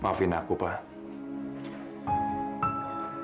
maafin aku pak